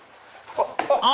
あ！